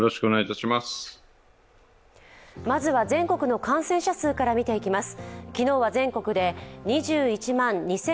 まずは全国の感染者数から見ていきます。